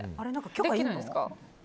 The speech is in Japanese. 許可いるんですか？